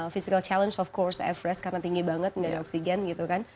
physical challenge of course everest karena tinggi banget nggak ada oksigen gitu kan